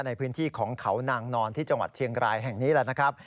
ในพื้นที่ของเขานางนอนที่จังหวัดเชียงรายแห่งนี้แหละนะครับ